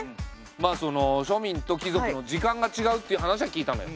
まあその庶民と貴族の時間がちがうっていう話は聞いたのよ。